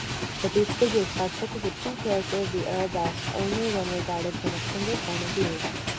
But these figures partook of the true character of the arabesque only when regarded from a single point of view.